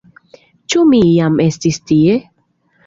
Ĉu mi iam estis tie?